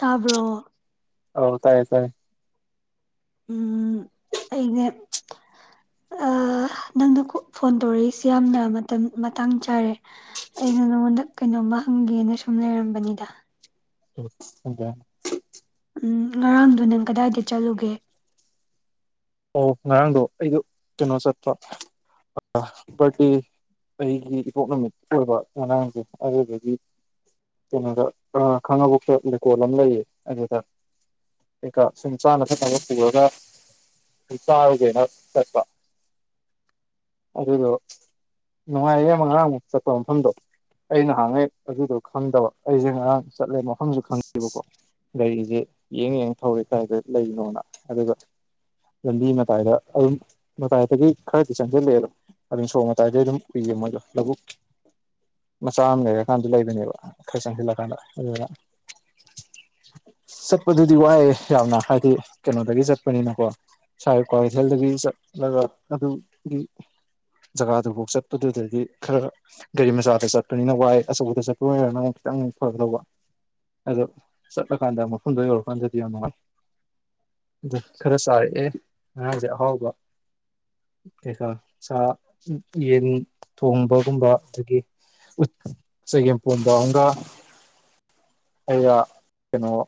ꯇꯥꯕ꯭ꯔꯣ ꯍꯧ ꯇꯥꯏꯌꯦ ꯇꯥꯏꯌꯦ ꯎꯝ ꯑꯩꯅꯦ ꯅꯪꯅ ꯐꯣꯟ ꯇꯧꯔꯛꯏꯁꯤ ꯌꯥꯝꯅ ꯃꯇꯝ ꯃꯇꯥꯡ ꯆꯥꯔꯦ ꯑꯩꯅ ꯅꯉꯣꯟꯗ ꯀꯩꯅꯣꯝꯃ ꯍꯪꯒꯦꯅ ꯁꯨꯝ ꯂꯩꯔꯝꯕꯅꯤꯗ ꯑꯣꯗ ꯎꯝ ꯉꯔꯥꯡꯗꯨꯣ ꯅꯪ ꯀꯗꯥꯏꯗ ꯆꯠꯂꯨꯒꯦ ꯑꯣ ꯉꯔꯥꯡꯗꯣ ꯑꯩꯗꯣ ꯀꯩꯅꯣ ꯆꯠꯄ ꯕꯥꯔꯗꯦ ꯑꯩꯒꯤ ꯏꯄꯣꯛ ꯅꯨꯃꯤꯠ ꯑꯣꯏꯕ ꯉꯔꯥꯡꯁꯦ ꯑꯗꯨꯗꯒꯤ ꯀꯩꯅꯣꯗ ꯈꯥꯡꯉꯕꯣꯛꯁ ꯂꯩꯀꯣꯜ ꯑꯃ ꯂꯩꯌꯦ ꯑꯗꯨꯗ ꯀꯩꯀꯥ ꯁꯨꯝ ꯆꯥꯅ ꯊꯛꯅꯕ ꯄꯨꯔꯒ ꯆꯥꯔꯨꯒꯦꯅ ꯆꯠꯄ ꯑꯗꯨꯗꯣ ꯅꯨꯡꯉꯥꯏꯌꯦ ꯉꯔꯥꯡꯃꯨꯛ ꯆꯠꯄ ꯃꯐꯝꯗꯣ ꯑꯩ ꯅꯍꯥꯟꯉꯩ ꯑꯗꯨꯗꯣ ꯈꯪꯗꯕ ꯑꯩꯁꯦ ꯉꯔꯥꯡ ꯆꯠꯂꯦꯃꯣ ꯃꯐꯝꯁꯨ ꯈꯪꯗꯦꯕꯀꯣ ꯒꯥꯔꯤꯁꯦ ꯌꯦꯡ ꯌꯦꯡ ꯊꯧꯔꯤꯦ ꯀꯥꯏꯗ ꯂꯩꯅꯣꯅ ꯑꯗꯨꯒ ꯂꯝꯕꯤ ꯃꯇꯥꯏꯗ ꯑꯗꯨꯝ ꯃꯇꯥꯏꯗꯒꯤ ꯈꯔꯗꯤ ꯆꯪꯁꯤꯜꯂꯑꯦꯗꯣ ꯑꯗꯨꯝ ꯁꯣꯛ ꯃꯇꯥꯏꯗꯒꯤ ꯑꯗꯨꯝ ꯎꯏꯌꯦ ꯃꯣꯏꯗꯣ ꯂꯧꯕꯨꯛ ꯃꯆꯥ ꯑꯃ ꯂꯩꯔꯀꯥꯟꯗ ꯂꯩꯕꯅꯦꯕ ꯈꯔ ꯆꯪꯁꯤꯜꯂꯀꯥꯟꯗ ꯑꯗꯨꯅ ꯆꯠꯄꯗꯨꯗꯤ ꯋꯥꯏꯑꯦ ꯌꯥꯝꯅ ꯍꯥꯏꯗꯤ ꯀꯩꯅꯣꯗꯒꯤ ꯆꯠꯄꯅꯤꯅꯀꯣ ꯁꯥꯔ ꯀ꯭ꯋꯥꯀꯩꯊꯦꯜꯗꯒꯤ ꯆꯠꯂꯒ ꯑꯗꯨꯒꯤ ꯖꯒꯥꯗꯨꯐꯥꯎ ꯆꯠꯄꯗꯨꯗꯗꯤ ꯈꯔ ꯒꯥꯔꯤ ꯃꯆꯥꯗ ꯆꯠꯄꯅꯤꯅ ꯋꯥꯏ ꯑꯆꯧꯕꯗ ꯆꯠꯄꯔꯅ ꯑꯃꯨꯛ ꯈꯤꯇꯪ ꯐꯒꯗꯧꯕ ꯑꯗꯣ ꯆꯠꯂꯀꯥꯟꯗ ꯃꯐꯝꯗꯨꯣ ꯌꯧꯔꯀꯥꯟꯗꯗꯤ ꯌꯥꯝ ꯅꯨꯡꯉꯥꯏ ꯑꯗꯨ ꯈꯔ ꯆꯥꯔꯛꯑꯦ ꯑꯗ ꯍꯕ ꯆ ꯌꯦꯟ ꯊꯣꯡꯕꯒꯨꯝꯕ ꯑꯗꯒꯤ ꯆꯒꯦꯝꯄꯣꯝꯕ ꯑꯃꯝꯒ ꯑꯌꯥ ꯀꯩꯅꯣꯣ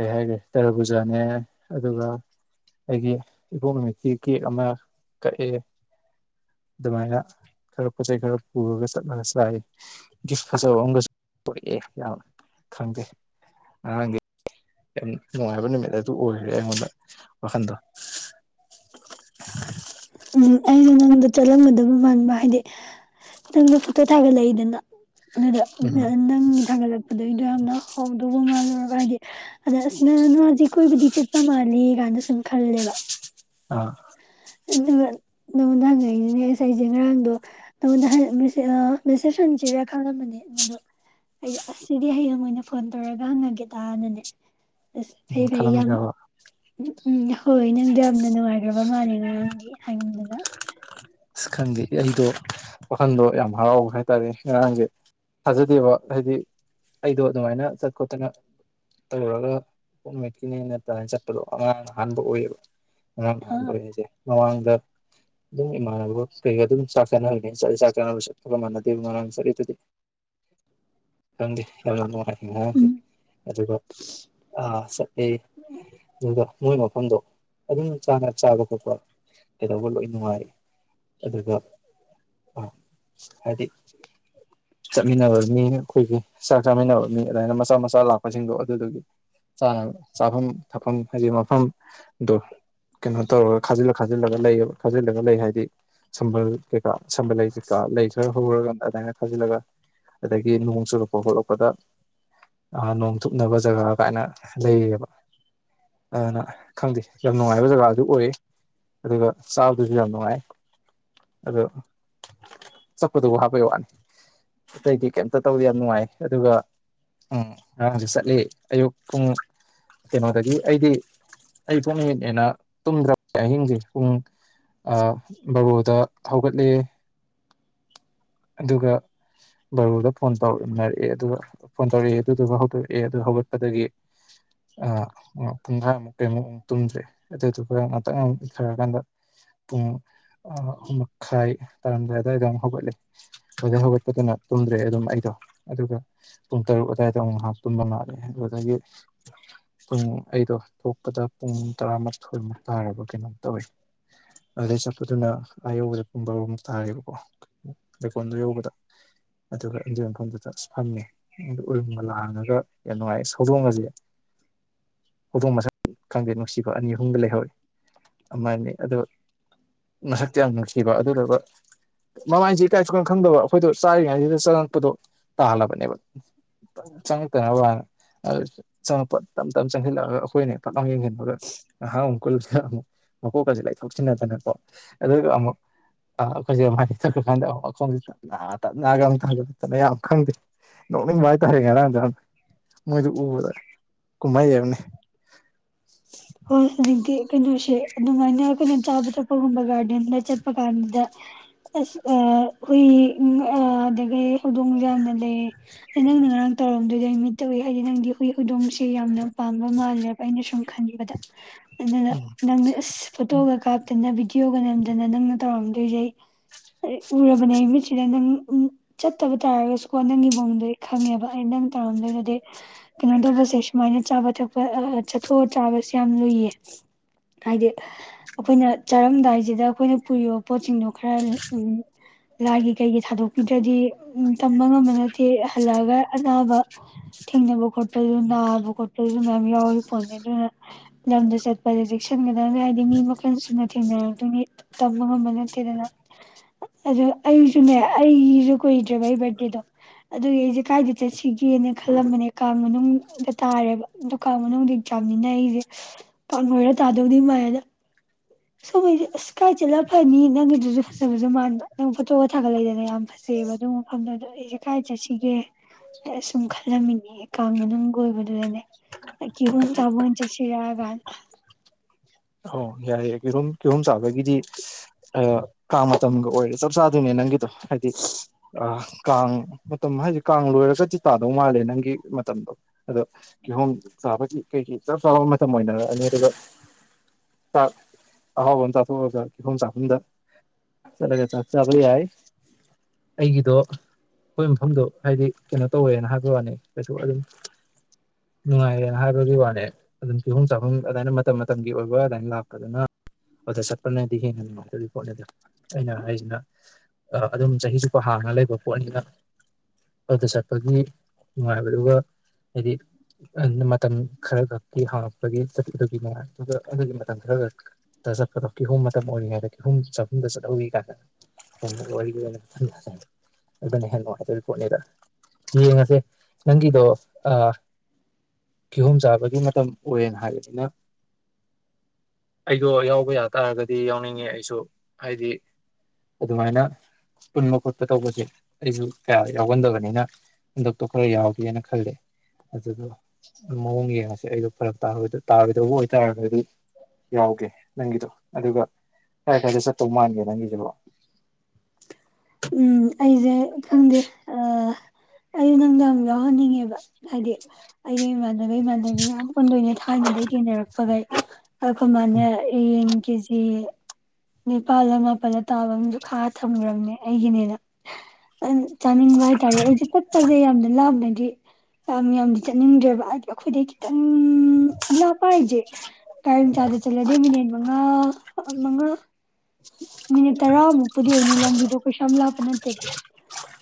ꯀꯩ ꯍꯥꯏꯈ꯭ꯔꯦ ꯇꯔꯕꯨꯖꯥꯅꯦ ꯑꯗꯨꯒ ꯑꯩꯒꯤ ꯏꯄꯣꯛ ꯅꯨꯃꯤꯠꯀꯤ ꯀꯦꯛ ꯑꯃ ꯀꯛꯑꯦ ꯑꯗꯨꯃꯥꯏꯅ ꯈꯔ ꯄꯣꯠꯆꯩ ꯈꯔ ꯄꯨꯔꯒ ꯆꯠꯂꯒ ꯆꯥꯏ ꯒꯤꯐ ꯐꯖꯕ ꯑꯒꯁꯨ ꯄꯣꯛꯑꯦ ꯌꯥꯝ ꯈꯪꯗꯦ ꯑꯉꯥꯡ ꯌꯥꯝ ꯅꯨꯡꯉꯥꯏꯕ ꯅꯨꯃꯤꯠ ꯑꯗꯨ ꯑꯣꯏꯈ꯭ꯔꯦ ꯑꯩꯉꯣꯟꯗ ꯋꯥꯈꯟꯗꯣ ꯑꯩꯩꯅ ꯆꯠꯂꯝꯒꯗꯕ ꯃꯥꯟꯕ ꯍꯥꯏꯗꯤ ꯅꯪꯅ ꯐꯣꯇꯣ ꯊꯥꯒꯠꯂꯛꯏꯗꯅ ꯑꯗꯨꯗ ꯎꯝ ꯅꯪꯒꯤ ꯊꯥꯡꯒꯠꯂꯛꯄꯗꯒꯤꯩꯗꯣ ꯌꯥꯝꯅ ꯍꯥꯎꯗꯧꯕ ꯃꯥꯜꯂ ꯍꯥꯏꯗꯤ ꯑꯗ ꯑꯁꯅ ꯅꯁꯦ ꯀꯣꯏꯕꯨꯗꯤ ꯆꯠꯄ ꯃꯥꯂꯦ ꯀꯥꯟꯗ ꯁꯨꯝ ꯈꯜꯂꯦꯕ ꯑꯥ ꯑꯗꯨꯒ ꯅꯪꯉꯣꯟꯗ ꯍꯪꯉꯛꯏꯁꯤꯅꯦ ꯉꯁ ꯑꯩꯁꯦ ꯉꯔꯥꯡꯗꯣ ꯅꯉꯣꯟꯗ ꯃꯦꯁꯦꯞ ꯍꯟꯁꯤꯔ ꯈꯪꯂꯝꯕꯅꯦ ꯑꯗꯨꯗꯣ ꯑꯩ ꯑꯁꯤꯗꯤ ꯍꯌꯦꯡ ꯑꯣꯏꯅ ꯐꯣꯟ ꯇꯧꯔꯒ ꯍꯪꯉꯒꯦ ꯇꯅꯅꯦ ꯑꯁ ꯎꯝ ꯐ ꯐ ꯌꯥꯝ ꯈꯜꯂꯝꯃꯤꯔꯕ ꯎꯝ ꯍꯣꯏ ꯅꯪꯗꯣ ꯌꯥꯝꯅ ꯅꯨꯡꯉꯥꯏꯈ꯭ꯔꯕ ꯃꯥꯜꯂꯦ ꯉꯔꯥꯡꯗꯤ ꯍꯥꯏꯉꯝꯗꯅ ꯑꯁ ꯈꯪꯗꯦ ꯑꯩꯗꯣ ꯋꯥꯈꯟꯗꯣ ꯌꯥꯝ ꯍꯔꯥꯎꯕ ꯍꯥꯏ ꯇꯔꯦ ꯉꯔꯥꯡꯁꯦ ꯊꯥꯖꯗꯦꯕ ꯍꯥꯏꯗꯤ ꯑꯩꯗꯣ ꯑꯗꯨꯃꯥꯏꯅ ꯆꯠ ꯈꯣꯠꯇꯅ ꯇꯧꯔꯒ ꯍꯣꯝꯃꯦꯠꯀꯤꯅꯦ ꯅꯠꯇꯅ ꯆꯠꯄꯗꯣ ꯑꯉꯥꯡ ꯑꯍꯥꯟꯕ ꯑꯣꯏꯌꯦꯕ ꯑꯥ ꯑ ꯣꯏꯖꯦ ꯃꯃꯥꯡꯗ ꯏꯃꯥꯟꯅꯕ ꯀꯩꯒ ꯑꯗꯨꯝ ꯆꯥꯛ ꯆꯥꯅꯍꯅꯤ ꯆꯠꯂꯤ ꯆꯥꯛ ꯆꯥꯅꯕꯁꯨ ꯈꯕ ꯃꯥꯟꯅꯗꯦꯕ ꯉꯉꯥꯡ ꯆꯠꯂꯤꯗꯨꯗꯤ ꯈꯪꯗꯦ ꯌꯥꯝꯅ ꯅꯨꯡꯉꯥꯏ ꯁꯦ ꯎꯝ ꯑꯗꯨꯒ ꯑꯦ ꯑꯗꯨꯒ ꯃꯣꯏ ꯃꯐꯝꯗꯣ ꯑꯗꯨꯝ ꯆ ꯆꯥꯕ ꯈꯣꯠꯄ ꯀꯩꯗꯧꯕ ꯂꯣꯏ ꯅꯨꯡꯉꯥꯏ ꯑꯗꯨꯒ ꯍꯥꯏꯗꯤ ꯆꯠꯃꯤꯟꯅꯕ ꯃꯤ ꯑꯩꯈꯣꯏꯒꯤ ꯆꯥꯛ ꯆꯥꯃꯤꯟꯅꯕ ꯃꯤ ꯑꯗꯨꯃꯥꯏꯅ ꯃꯆꯥ ꯃꯆꯥ ꯂꯥꯛꯄꯁꯤꯡꯗꯣ ꯑꯗꯨꯗꯨꯒꯤꯥ ꯆꯥꯐꯝ ꯊꯛꯐꯝ ꯍꯥꯏꯗꯤ ꯃꯐꯝꯗꯣ ꯀꯩꯅꯣ ꯇꯧꯔꯒ ꯈꯥꯖꯤꯜꯂ ꯈꯥꯖꯤꯜꯂꯒ ꯂꯩ ꯈꯥꯖꯤꯜꯂꯒ ꯂꯩ ꯍꯥꯏ ꯍꯥꯏꯗꯤ ꯁꯝꯕꯜ ꯀꯩꯀꯥ ꯁꯝꯕꯜ ꯂꯩ ꯀꯩꯀꯥ ꯂꯩ ꯈꯔ ꯍꯧꯔꯒ ꯑꯗꯨꯃꯥꯏꯅ ꯈꯥꯖꯤꯜꯂꯒ ꯑꯗꯒꯤ ꯅꯣꯡ ꯆꯨꯔꯛꯄ ꯈꯣꯠꯂꯛꯄꯗ ꯅꯣꯡ ꯇꯨꯞꯅꯕ ꯖꯒꯥ ꯀꯥꯏꯅ ꯂꯩꯌꯦꯕ ꯑꯗꯨꯅ ꯈꯪꯗꯦ ꯌꯥꯝ ꯅꯨꯡꯉꯥꯏꯕ ꯖꯒꯥꯗ ꯑꯗꯨ ꯑꯣꯏ ꯑꯗꯨꯒ ꯆꯥꯕꯗꯨꯁꯨ ꯌꯥꯝ ꯅꯨꯡꯉꯥꯏ ꯑꯣ ꯆꯠꯄꯗꯨꯕꯨ ꯍꯥꯞꯄꯒꯤ ꯋꯥꯅꯤ ꯑꯇꯩꯗꯤ ꯀꯩꯝꯇ ꯇꯧꯗꯤ ꯌꯥꯝ ꯅꯨꯡꯉꯥꯏ ꯑꯗꯨꯒ ꯉꯔꯥꯡꯁꯦ ꯆꯠꯂꯤ ꯑꯌꯨꯛ ꯄꯨꯡ ꯀꯩꯅꯣꯗꯒꯤ ꯑꯩꯗꯤ ꯑꯩ ꯄꯨꯡ ꯅꯨꯃꯤꯠꯅꯦꯅ ꯇꯨꯝꯗ꯭ꯔꯕ ꯑꯍꯤꯡꯁꯦ ꯄꯨꯡ ꯕꯥꯔꯣꯗ ꯍꯧꯒꯠꯂꯑꯦ ꯑꯗꯨꯒ ꯕꯥꯔꯣꯗ ꯐꯣꯟ ꯇꯧꯅꯔꯛꯑꯦ ꯑꯗꯨꯒ ꯐꯣꯟ ꯇꯧꯔꯛꯑꯦ ꯑꯗꯨꯗꯨꯒ ꯍꯧꯗꯣꯔꯑꯦ ꯑꯗꯨ ꯍꯧꯒꯠꯄꯗꯒꯤ ꯄꯨꯡ ꯊꯥꯃꯨꯛ ꯀꯩꯃꯨꯛ ꯑꯃꯨꯛ ꯇꯨꯝꯗ꯭ꯔꯦ ꯑꯗꯨꯗꯨꯒ ꯉꯥꯛꯇꯪ ꯉꯍ ꯏꯟꯊꯔꯀꯥꯟꯗ ꯄꯨꯡ ꯨꯑ ꯑꯍꯨꯝꯃꯈꯥꯏ ꯇꯥꯔꯝꯗꯥꯏ ꯑꯗꯨꯋꯥꯏꯗ ꯑꯃꯨ ꯍꯧꯒꯠꯂꯦ ꯑꯗꯨꯗꯩ ꯍꯧꯒꯠꯄꯗꯨꯅ ꯇꯨꯝꯗ꯭ꯔꯦ ꯑꯗꯨꯝ ꯑꯩꯗꯣ ꯑꯗꯨꯒ ꯄꯨꯡ ꯇꯔꯨꯛ ꯑꯗꯨꯋꯥꯏꯗ ꯑꯃꯨ ꯉꯥꯏꯍꯥꯛ ꯇꯨꯝꯕꯃꯥ ꯑꯗꯩ ꯑꯗꯨꯗꯒꯤ ꯄꯨꯡ ꯑꯩꯗꯣ ꯊꯣꯛꯄꯗ ꯄꯨꯡ ꯇꯔꯥꯃꯥꯊꯣꯏꯃꯨꯛ ꯇꯥꯔꯕ ꯀꯩꯅꯣꯝ ꯇꯧꯋꯤ ꯑꯗꯨꯗꯩ ꯆ ꯑꯗꯨꯅ ꯑꯥꯌꯧꯕꯗ ꯄꯨꯡ ꯕꯔꯣꯃꯨꯛ ꯇꯥꯔꯦꯕꯀꯣ ꯂꯩꯀꯣꯜꯗꯨ ꯌꯧꯕꯗ ꯑꯗꯨꯒ ꯏꯟꯗꯣꯔ ꯃꯐꯝꯗ ꯐꯝꯃꯦ ꯑꯗꯨ ꯎꯔꯨꯝꯒ ꯂꯥꯡꯉꯒ ꯌꯥꯝ ꯅꯨꯡꯉꯥꯌꯦ ꯍꯧꯗꯣꯡꯒꯁꯦ ꯍꯧꯗꯣꯡ ꯃꯆꯥ ꯈꯪꯗꯦ ꯅꯨꯡꯁꯤꯕ ꯑꯅꯤ ꯑꯍꯨꯝꯒ ꯂꯩꯍꯧꯋꯤ ꯑꯗꯨꯃꯥꯏꯅ ꯑꯗꯣ ꯃꯁꯛꯇꯤ ꯌꯥꯝ ꯅꯨꯡꯁꯤꯕ ꯑꯗꯨꯗꯨꯒ ꯃꯃꯥꯏꯁꯤ ꯏꯀꯥꯏ ꯁꯨꯈꯪ ꯈꯪꯗꯕ ꯑꯩꯈꯣꯏꯗꯣ ꯆꯥꯔꯤꯉꯩꯁꯤꯗ ꯆꯪꯉꯛꯄꯗꯣ ꯇꯥꯜꯂꯕꯅꯦꯕ ꯆꯪꯉꯛꯇꯅꯕ ꯍꯥꯏꯅ ꯑꯗꯨ ꯆꯪꯉꯛꯄ ꯇꯞ ꯇꯞ ꯆꯪꯁꯤꯜꯂꯛꯑꯒ ꯑꯩꯈꯣꯏꯅ ꯐꯠ ꯂꯥꯎꯅ ꯌꯦꯖꯟꯕꯒ ꯉꯍꯥꯛ ꯑꯃꯨꯛ ꯀꯨꯜꯂꯤ ꯈꯥ ꯑꯃꯨꯛ ꯃꯀꯣꯛꯀꯁꯦ ꯂꯩꯊꯣꯛꯆꯤꯟꯅꯗꯅꯀꯣ ꯑꯗꯨꯒ ꯑꯃꯨꯛ ꯑ [unintelligible] ꯆꯠꯈ꯭ꯔꯀꯥꯟꯗ ꯅꯥ ꯇꯄꯅꯒ ꯊꯥꯗꯣꯂꯛꯇꯅ ꯌꯥꯝ ꯈꯪꯗꯦ ꯅꯣꯛꯅꯤꯕ ꯍꯥꯏꯇꯥꯔꯦ ꯉꯔꯥꯡ ꯌꯥꯝ ꯃꯣꯏꯗꯨ ꯎꯕꯗ ꯀꯨꯝꯍꯩꯑꯝꯅꯤ ꯍꯣꯏ ꯍꯧꯖꯤꯛꯇꯤ ꯀꯩꯅꯣꯁꯦ ꯑꯗꯨꯃꯥꯏꯅ ꯑꯩꯈꯣꯏꯅ ꯆꯥꯕ ꯊꯛꯄꯒꯨꯝꯕ ꯒꯥꯔꯗꯦꯟꯗ ꯆꯠꯄ ꯀꯥꯟꯗ ꯑꯁ ꯑ ꯍꯨꯏ ꯑ ꯑꯗꯒꯤ ꯍꯧꯗꯣꯡꯁꯨ ꯌꯥꯝꯅ ꯂꯩ ꯑꯩ ꯅꯪꯅ ꯉꯔꯥꯡ ꯇꯧꯔꯝꯗꯣꯏꯗꯨ ꯑꯩ ꯃꯤꯠꯇ ꯎꯏ ꯍꯥꯏꯗꯤ ꯅꯪꯗꯤ ꯍꯨꯏ ꯍꯧꯗꯣꯡꯁꯤ ꯌꯥꯝꯅ ꯄꯥꯝꯕ ꯃꯥꯜꯦ ꯑꯩꯅ ꯁꯨꯝ ꯈꯟꯒꯤꯕꯗ ꯅꯪꯅ ꯅꯪꯅ ꯑꯁ ꯐꯣꯇꯣꯒ ꯀꯥꯞꯇꯅ ꯕꯤꯗꯤꯑꯣ ꯌꯣꯒ ꯅꯝꯗꯅ ꯅꯪꯅ ꯇꯧꯔꯝꯗꯣꯏꯁꯦ ꯑꯩ ꯎꯔꯕꯅꯦ ꯃꯤꯠꯁꯤꯗ ꯅꯪ ꯆꯠꯇꯕ ꯇꯥꯔꯒꯁꯨꯀꯣ ꯅꯪꯒꯤ ꯃꯑꯣꯡꯗꯣ ꯑꯩ ꯈꯪꯉꯦꯕ ꯑꯩ ꯅꯪ ꯇꯧꯔꯝꯗꯣꯏꯗꯨꯗꯤ ꯀꯩꯅꯣ ꯇꯧꯕꯁꯦ ꯁꯨꯃꯥꯏꯅ ꯆꯥꯕ ꯊꯛꯄ ꯑꯥ ꯆꯠ ꯊꯣ ꯆꯥꯕꯁꯦ ꯌꯥꯝ ꯂꯨꯏꯌꯦ ꯍꯥꯏꯗꯤ ꯑꯩꯈꯣꯏꯅ ꯆꯥꯔꯝꯗꯥꯏꯁꯤꯗ ꯑꯩꯈꯣꯏꯅ ꯄꯨꯔꯤꯕ ꯄꯣꯠꯁꯤꯡꯗꯣ ꯈꯔ ꯎ ꯂꯥꯏꯒꯤ ꯀꯩꯒꯤ ꯊꯥꯗꯣꯛꯄꯤꯗ꯭ꯔꯗꯤ ꯎꯝ ꯇꯝꯕ ꯉꯝꯕ ꯅꯠꯇꯦ ꯍꯜꯂꯛꯑꯒ ꯑꯅꯥꯕ ꯊꯦꯡꯅꯕ ꯈꯣꯠꯄꯁꯨ ꯅꯥꯕ ꯈꯣꯠꯄꯁꯨ ꯃꯌꯥꯝ ꯌꯥꯎꯋꯤ ꯄꯣꯅꯦ ꯑꯗꯨꯅ ꯂꯝꯗ ꯆꯠꯄꯗ ꯆꯦꯛꯁꯤꯟꯒꯗꯕꯅꯦ ꯍꯥꯏꯗꯤ ꯃꯤ ꯃꯈꯜ ꯁꯨꯅ ꯊꯦꯡꯅꯔꯛꯇꯣꯏꯅꯤ ꯇꯝꯕ ꯉꯝꯕ ꯅꯠꯇꯦꯗꯅ ꯑꯗꯨ ꯑꯩꯁꯨꯅꯦ ꯑꯩꯒꯤꯁꯨ ꯀꯨꯏꯗ꯭ꯔꯦꯕ ꯑꯩ ꯕꯥꯔꯗꯦꯗꯣ ꯑꯗꯨꯒꯤ ꯑꯩꯁꯦ ꯀꯥꯏꯗ ꯆꯠꯁꯤꯒꯦꯅ ꯈꯜꯂꯝꯕꯅꯦ ꯀꯥꯡ ꯃꯅꯨꯡꯗ ꯇꯥꯔꯦꯕ ꯑꯗꯣ ꯀꯥꯡ ꯃꯅꯨꯡꯗꯤ ꯆꯥꯃꯤꯅ ꯑꯩꯁꯦ ꯄꯥꯛꯅꯣꯏꯔ ꯇꯥꯗꯧꯗꯤ ꯃꯥꯂꯦꯗ ꯁꯣꯝꯒꯩꯁꯨ ꯑꯁ ꯀꯥꯏ ꯆꯠꯂ ꯐꯅꯤ ꯅꯪꯒꯤꯗꯨꯁꯨ ꯐꯖꯕꯁꯨ ꯃꯥꯟꯕ ꯅꯪ ꯐꯣꯇꯣꯒ ꯊꯥꯒꯠꯂꯗꯅ ꯌꯥꯝ ꯐꯖꯩꯑꯕ ꯑꯗꯨ ꯃꯐꯝꯗꯨꯗꯣ ꯑꯩꯁꯦ ꯀꯥꯏ ꯆꯠꯁꯤꯒꯦ ꯑꯁꯨꯝ ꯈꯜꯂꯝꯃꯤꯅꯤ ꯀꯥꯡ ꯃꯅꯨꯡꯒ ꯑꯣꯏꯕꯗꯨꯗꯅꯦ ꯀꯤꯍꯣꯝ ꯆꯥꯕ ꯑꯣꯏꯟ ꯆꯠꯁꯤꯔ ꯒꯥꯏꯅ ꯑꯣ ꯌꯥꯏꯦꯌꯦ ꯀꯤꯍꯨꯝ ꯀꯤꯍꯣꯝ ꯆꯥꯕꯒꯤꯗꯤ ꯑ ꯀꯥꯡ ꯃꯇꯝꯒ ꯑꯣꯏꯔꯦ ꯆꯞ ꯆꯥꯗꯣꯏꯅꯦ ꯅꯪꯒꯤ ꯍꯥꯏꯗꯤ ꯑ ꯀꯥꯡ ꯃꯇꯝ ꯍꯥꯏꯗꯤ ꯀꯥꯡ ꯂꯣꯏꯔ ꯆꯠꯇꯤ ꯇꯥꯗꯧ ꯃꯥꯜꯂꯦ ꯅꯪꯒꯤ ꯃꯇꯝꯗꯣ ꯑꯗꯣ ꯀꯤꯍꯣꯝ ꯆꯥꯕꯒꯤ ꯀꯩꯒꯤ ꯆꯞ ꯆꯥꯕ ꯃꯇꯝ ꯑꯣꯏꯅꯔꯛꯑꯅꯤ ꯑꯗꯨꯒ ꯆꯥꯛ ꯑꯍꯥꯎꯕ ꯑꯃ ꯆꯥꯊꯣꯛꯑꯒ ꯀꯤꯍꯣꯡ ꯆꯥꯐꯝꯗ ꯆꯠꯂꯒ ꯆꯥꯛ ꯆꯥꯕ ꯌꯥꯏ ꯑꯩꯒꯤꯗꯣ ꯑꯩꯈꯣꯏ ꯃꯐꯝꯗꯣ ꯍꯥꯏꯗꯤ ꯀꯩꯅꯣ ꯇꯧꯋꯦꯅ ꯍꯥꯏꯕꯩꯋꯥꯅꯤ ꯀꯩꯁꯨ ꯑꯗꯨꯝ ꯅꯨꯡꯉꯥꯏꯔꯦꯅ ꯍꯥꯏꯕꯒꯤ ꯋꯥꯅꯦ ꯑꯗꯨꯝ ꯀꯤꯍꯣꯡ ꯆꯥꯐꯝ ꯑꯗꯨꯃꯥꯏꯅ ꯃꯇꯝ ꯃꯇꯝꯒꯤ ꯑꯣꯏꯕ ꯑꯗꯨ ꯂꯥꯛꯄꯗꯅ ꯑꯗꯨꯗ ꯆꯠꯄꯅꯗꯤ ꯍꯦꯟꯅ ꯅꯨꯡꯉꯥꯏꯗꯣꯔꯤ ꯄꯣꯠꯅꯤꯗ ꯑꯩꯅ ꯍꯥꯏꯔꯤꯁꯤꯅ ꯑ ꯑꯗꯨꯝ ꯆꯍꯤ ꯆꯨꯞꯄ ꯍꯥꯡꯉ ꯂꯩꯕ ꯄꯣꯠꯅꯤꯅ ꯑꯗꯨꯗ ꯆꯠꯄꯒꯤ ꯅꯨꯡꯉꯥꯏꯕ ꯑꯗꯨꯒ ꯍꯥꯏꯗꯤ ꯃꯇꯝ ꯈꯔ ꯈꯛꯀꯤ ꯍꯥꯡꯉꯛꯄꯒꯤ ꯆꯠꯄꯗꯨꯒꯤ ꯅꯨꯡꯉꯥꯏꯕꯗꯨꯒ ꯑꯗꯨꯒꯤ ꯃꯇꯝ ꯈꯔ ꯈ ꯇ ꯆꯠꯄꯗꯣ ꯀꯤꯍꯣꯝ ꯃꯇꯝ ꯑꯣꯏꯔꯤꯉꯩꯗ ꯀꯤꯍꯣꯝ ꯆꯥꯐꯝꯗ ꯆꯠꯍꯧꯋꯤ ꯀꯥꯏꯅ [unintelligible] ꯑꯗꯨꯅ ꯍꯦꯟꯅ ꯅꯨꯡꯉꯥꯏꯇꯔꯤ ꯄꯣꯠꯅꯤꯗ ꯌꯦꯡꯉꯁꯦ ꯅꯪꯒꯤꯗꯣ ꯑ ꯀꯤꯍꯣꯝ ꯆꯥꯕꯒꯤ ꯃꯇꯝ ꯑꯣꯏꯔꯦꯅ ꯍꯥꯏꯕꯅꯤꯅ ꯑꯩꯗꯣ ꯌꯥꯎꯕ ꯌꯥ ꯇꯥꯔꯒꯗꯤ ꯌꯥꯎꯅꯤꯡꯉꯦ ꯑꯩꯁꯨ ꯍꯥꯏꯗꯤ ꯑꯗꯨꯃꯥꯏꯅ ꯄꯨꯟꯕ ꯈꯣꯠꯄ ꯇꯧꯕꯁꯦ ꯑꯩꯁꯨ ꯀꯌꯥ ꯌꯥꯎꯒꯟꯗꯕꯅꯤꯅ ꯍꯟꯗꯛꯇꯣ ꯈꯔ ꯌꯥꯎꯒꯦꯅ ꯈꯜꯂꯦ ꯑꯗꯨꯗ ꯃꯑꯋꯣꯡ ꯌꯦꯡꯉꯁꯦ ꯑꯩꯗꯣ ꯐꯔꯛ ꯇꯥꯔꯣꯏꯗ ꯇꯥꯔꯣꯏꯗ ꯑꯣꯏꯇꯥꯥꯔꯒꯗꯤ ꯌꯥꯎꯒꯦ ꯅꯪꯒꯤꯗꯣ ꯑꯗꯨꯒ ꯀꯥꯏ ꯀꯥꯏꯗ ꯆꯠꯇꯧ ꯃꯥꯟꯒꯦ ꯅꯪꯒꯤꯁꯤꯕꯣ ꯎꯝ ꯑꯩꯁꯦ ꯈꯪꯗꯦ ꯑ ꯑꯩ ꯅꯪꯗꯣ ꯌꯥꯃ ꯌꯥꯎꯍꯟꯅꯤꯡꯉꯦꯕ ꯍꯥꯏꯗꯤ ꯑꯩꯗꯤ ꯏꯃꯥꯟꯅꯕ ꯏꯃꯥꯟꯅꯕꯤ ꯃꯌꯥꯝ ꯄꯨꯟꯗꯣꯏꯅꯦ ꯊꯥꯏꯅꯗꯩ ꯇꯤꯅꯔꯛꯄꯒꯩ ꯑꯩꯈꯣꯏ ꯃꯥꯅꯟ ꯍꯌꯦꯡ ꯀꯦꯖꯤ ꯅꯤꯄꯥꯜꯂ ꯃꯥꯄꯜꯂ ꯇꯥꯕꯝꯖꯨ ꯈꯥꯛꯑ ꯊꯝꯒ꯭ꯔꯝꯅꯦ ꯑꯩꯒꯤꯅꯦꯅ ꯆꯥꯅꯤꯡꯕ ꯍꯥꯏꯇꯥꯔꯦ ꯑꯩꯁꯦ ꯀꯨꯠꯄꯁꯦ ꯌꯥꯝꯅ ꯂꯥꯝꯅ ꯌꯥꯝ ꯌꯥꯝꯗꯤ ꯆꯠꯅꯤꯡꯗ꯭ꯔꯦꯕ ꯍꯥꯏꯗꯤ ꯑꯩꯈꯣꯏꯗꯩ ꯈꯤꯇꯡ ꯎꯝ ꯄꯍꯤꯦ ꯀꯝ ꯆꯗ ꯆꯠꯂ ꯗꯦ ꯃꯤꯅꯤ ꯑ ꯃꯒ ꯃꯤꯅꯤꯠ ꯇꯔꯥꯃꯨꯛꯄꯨꯗꯤ ꯑꯣꯏꯅꯤ ꯂꯝꯕꯤꯗꯣ ꯀꯩꯁꯝ ꯂꯥꯞꯄ ꯅꯠꯇꯦꯕ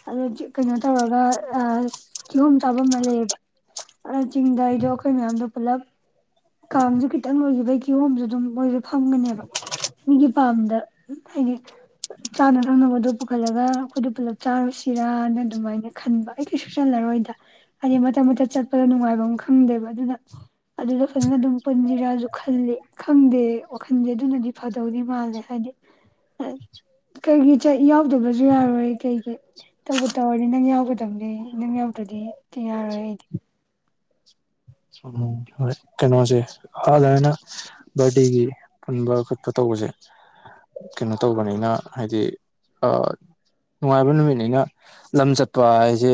ꯑꯣ ꯀꯩꯅꯣ ꯇꯧꯔꯒ ꯀꯤꯍꯣꯝ ꯆꯥꯐꯝ ꯑꯃ ꯂꯩꯌꯦꯕ ꯑ ꯆꯤꯡꯗ ꯑꯩꯗꯣ ꯑꯩꯈꯣꯏ ꯃꯌꯥꯝꯗꯣ ꯄꯨꯜꯂꯞ ꯀꯥꯡꯁꯨ ꯈꯤꯇꯪ ꯂꯣꯏꯈꯤꯕꯒꯤ ꯀꯤꯍꯣꯝꯁꯨ ꯑꯗꯨꯝ ꯃꯣꯏꯁꯨ ꯐꯝꯒꯅꯦꯕ ꯃꯤꯒꯤ ꯄꯥꯝꯗ ꯍꯥꯏꯗꯤ ꯆꯥꯅ ꯊꯛꯅꯕꯗꯣ ꯄꯨꯈꯠꯂꯒ ꯑꯩꯈꯣꯏꯗ ꯄꯨꯂꯞ ꯆꯥꯔꯨꯁꯤꯔꯥꯅ ꯑꯗꯨꯃꯥꯏꯅ ꯈꯟꯕ ꯑꯩ ꯀꯩꯁꯨ ꯆꯜꯂꯔꯣꯏꯗ ꯍꯥꯏꯗꯤ ꯃꯇꯝ ꯃꯇꯝ ꯆꯠꯄꯗ ꯅꯨꯡꯉꯥꯏꯕ ꯑꯃ ꯈꯪꯗꯦꯕ ꯑꯗꯨꯅ ꯑꯗꯨꯗ ꯐꯖꯅ ꯑꯗꯨꯝ ꯄꯨꯟꯁꯤꯔꯥꯁꯨ ꯈꯜꯂꯤ ꯈꯪꯗꯦ ꯋꯥꯈꯟꯁꯦ ꯑꯗꯨꯅꯗꯤ ꯐꯗꯧꯗꯤ ꯃꯥꯜꯂꯦ ꯍꯥꯏꯗꯤ ꯀꯩꯒꯤ ꯌꯥꯎꯗꯕꯁꯨ ꯌꯥꯔꯣꯏ ꯀꯩꯒꯤ ꯇꯧꯕ ꯇꯧꯔꯗꯤ ꯅꯪ ꯌꯥꯎꯒꯗꯕꯅꯤ ꯅꯪ ꯌꯥꯎꯗ꯭ꯔꯗꯤ ꯌꯥꯔꯣꯏ ꯑꯩꯗꯤ ꯎꯝ ꯍꯣꯏ ꯀꯩꯅꯣꯁꯦ ꯍꯗꯥꯏꯅ ꯠꯒꯤ ꯄꯨꯟꯕ ꯈꯣꯠꯄ ꯇꯧꯕꯁꯦ ꯀꯩꯅꯣ ꯇꯧꯕꯅꯤꯅ ꯍꯥꯏꯗꯤ ꯅꯨꯡꯉꯥꯏꯕ ꯅꯨꯃꯤꯠꯅꯤꯅ ꯂꯝ ꯆꯠꯄ ꯍꯥꯏꯁꯦ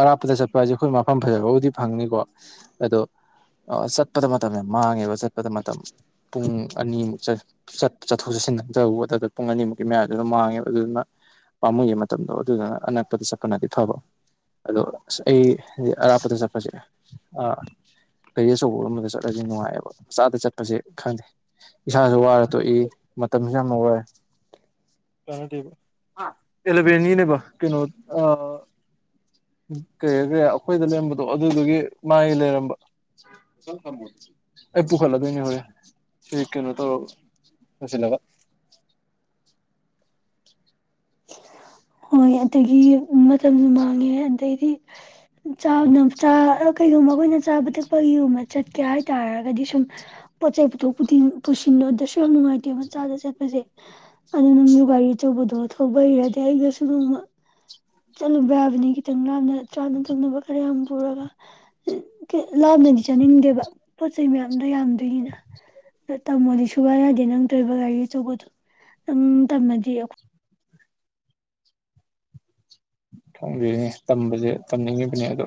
ꯑꯔꯥꯞꯄꯗ ꯆꯠꯄ ꯍꯥꯏꯁꯦ ꯑꯩꯈꯣꯏ ꯃꯐꯝ ꯐꯖꯕꯕꯨꯗꯤ ꯐꯪꯅꯤꯀꯣ ꯑꯗꯣ ꯑ ꯆꯠꯄꯗ ꯃꯇꯝꯅꯦ ꯃꯥꯡꯉꯦꯕ ꯆꯠ ꯆꯠꯄꯗ ꯃꯇꯝ ꯄꯨꯡ ꯑꯅꯤꯃꯨꯛ ꯆ ꯆꯠꯊꯣꯛ ꯆꯠꯁꯤꯟꯗꯕꯣꯠꯇꯗ ꯄꯨꯡ ꯑꯅꯤꯃꯨꯛꯀꯤ ꯃꯌꯥꯗꯨꯅ ꯃꯥꯡꯉꯦꯕ ꯑꯗꯨꯗꯨꯅ ꯄꯥꯝꯃꯨꯒꯤ ꯃꯇꯝꯗꯣ ꯑꯗꯨꯗꯨꯅ ꯑꯅꯛꯄꯗ ꯆꯠꯄꯅꯗꯤ ꯐꯕ ꯑꯗꯣ ꯑꯁ ꯑꯩ ꯑꯔꯥꯞꯄꯗ ꯆꯠꯄꯁꯦ ꯑꯥ ꯀꯒꯥꯔꯤ ꯑꯆꯧꯕꯒꯕꯗ ꯆꯠꯂꯗꯤ ꯅꯨꯡꯉꯥꯏꯑꯕ ꯃꯆꯥꯗ ꯆꯠꯄꯁꯦ ꯈꯪꯗꯦ ꯏꯁꯥꯁꯨ ꯋꯥꯔ ꯇꯣꯛꯏ ꯃꯇꯝꯁꯨ ꯌꯥꯝꯅ ꯋꯥꯏ ꯑꯦꯂꯚꯦꯟꯒꯤꯅꯦꯕ ꯀꯩꯅꯣ ꯀꯔꯤ ꯀꯔꯤ ꯑꯩꯈꯣꯏꯗ ꯂꯩꯔꯝꯕꯗꯣ ꯑꯗꯨꯗꯨꯒꯤ ꯃꯥꯒꯤ ꯂꯩꯔꯝꯕ ꯑꯩꯄꯨ ꯈꯂꯗꯅꯤ ꯍꯧꯦ ꯐ ꯀꯅ ꯇ ꯐꯁꯤꯂ ꯍꯣꯏ ꯑꯗꯒꯤ ꯃꯇꯝꯁꯨ ꯃꯥꯡꯉꯦ ꯑꯗꯩꯗꯤ ꯆꯥꯅ ꯀꯩꯒꯨꯝꯕ ꯑꯩꯈꯣꯏꯅ ꯆꯥꯕ ꯊꯛꯄꯒꯤꯒꯨꯝꯕ ꯆꯠꯀꯦ ꯍꯥꯏꯇꯥꯥꯔꯒꯗꯤ ꯁꯨꯝ ꯄꯣꯠ ꯆꯩꯩ ꯄꯨꯊꯣꯛ ꯄꯨꯁꯤꯟꯣꯗꯁꯨ ꯌꯥꯝ ꯅꯨꯡꯉꯥꯏꯇꯦ ꯃꯆꯥꯗ ꯆꯠꯄꯁꯦ ꯑꯗꯨꯣ ꯅꯪꯁꯨ ꯒꯥꯔꯤ ꯑꯆꯧꯕꯗꯣ ꯊꯧꯕ ꯍꯩꯔꯗꯤ ꯑꯩꯒꯁꯨ ꯅꯣꯡꯃ ꯆꯠꯂꯨꯕ ꯌꯥꯕꯅꯤ ꯈꯤꯇꯪ ꯂꯥꯞꯅ ꯆꯥꯅ ꯊꯛꯅꯕ ꯈꯔ ꯌꯥꯝ ꯄꯨꯔꯒ ꯂꯥꯞꯅꯗꯤ ꯆꯥꯅꯤꯡꯗꯦꯕ ꯄꯣꯠ ꯆꯩꯩ ꯃꯌꯥꯝꯗꯣ ꯌꯥꯝꯗꯣꯏꯅꯤꯅ ꯑ ꯇꯝꯃꯗꯤ ꯁꯨꯌꯥ ꯌꯥꯗꯦ ꯅꯪ ꯇꯧꯕ ꯒꯥꯔꯤ ꯑꯆꯧꯕꯗꯨꯣ ꯅꯪ ꯇꯝꯃꯗꯤ ꯊꯣꯡꯖꯅꯤꯡꯉꯤ ꯇꯝꯕꯁꯦ ꯇꯝꯅꯤꯡꯉꯤꯕꯅꯦ ꯑꯗꯣ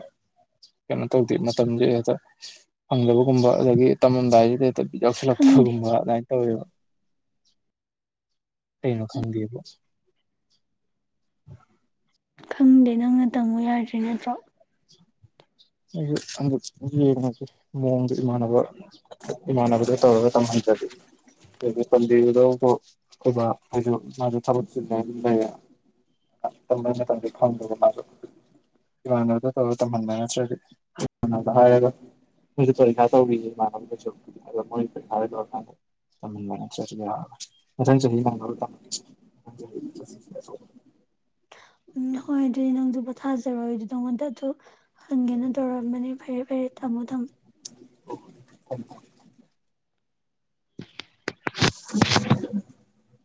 ꯀꯩꯅꯣ ꯇꯧꯗꯦ ꯃꯇꯝꯁꯦ ꯍꯦꯛꯇ ꯐꯪꯗꯕꯒꯨꯝꯕ ꯑꯗꯒꯤ ꯇꯝꯃꯝꯗꯥꯏꯁꯤꯗꯤ ꯑꯁ ꯖꯣꯛꯁꯂꯞ ꯈꯪꯗꯦ ꯊꯒꯨꯝꯕ ꯇꯣ ꯇ꯭ꯔꯩꯅꯣ ꯈꯪꯒꯕꯨ ꯈꯪꯗꯦ ꯅꯪꯅ ꯇꯝꯃꯨ ꯌꯥꯗ꯭ꯔꯦ ꯅꯠꯇ꯭ꯔꯣ ꯑꯩꯛ ꯌꯦꯡꯉꯒꯦ ꯃꯑꯣꯡꯗ ꯏꯃꯥꯟꯅꯕ ꯏꯃꯥꯟꯅꯕꯗ ꯇꯧꯔꯒ ꯇꯝꯍꯟꯖꯦ ꯍꯥꯏꯗꯤ ꯇꯝꯕꯤꯗꯕ ꯍꯥꯏꯁꯨ ꯃꯥꯁꯨ ꯊꯕꯂ ꯑꯗꯨꯝ ꯂꯩꯌꯦ ꯇꯝꯕꯝꯗꯤ ꯈꯪꯗꯕ ꯃꯥꯁꯨ ꯏꯃꯥꯟꯅꯕꯗ ꯇꯧꯔ ꯇꯝꯍꯟꯕ ꯅꯠꯇ꯭ꯔꯗꯤ ꯍꯥꯏꯔꯒ ꯃꯣꯏꯁꯨ ꯄꯔꯤꯁꯥ ꯇꯧꯕꯈꯤꯁꯦ ꯃꯣꯏ ꯄꯩꯥꯔ ꯇꯧꯔꯀꯥꯟꯗ ꯃꯊꯪ ꯆꯍꯤ ꯃ ꯎꯝ ꯍꯣꯏ ꯑꯗꯨꯗꯤ ꯅꯪꯁꯨ ꯄꯣꯊꯥꯖꯔꯣꯏ ꯑꯗꯨ ꯅꯪꯉꯣꯟꯗ ꯑꯗꯨ ꯍꯪꯒꯦꯅ ꯇꯧꯔꯝꯕꯅꯤ ꯐꯔꯦ ꯐꯔꯦ ꯊꯝꯃꯣ ꯊꯝꯃꯣ [inaudible]